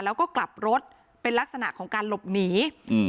แล้วก็กลับรถเป็นลักษณะของการหลบหนีอืม